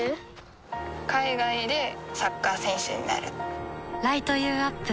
海外でサッカー選手になる